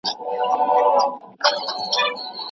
هغه کسان چي مرسته کوي د نورو خلکو په زړونو کي ځای لري.